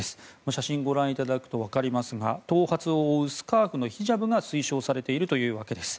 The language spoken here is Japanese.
写真をご覧いただくとわかりますが頭髪を覆うヒジャブが推奨されているというわけです。